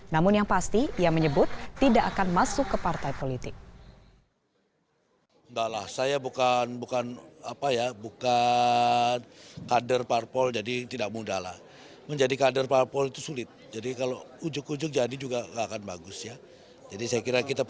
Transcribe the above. namun yang pasti ia menyebut tidak akan masuk ke partai politik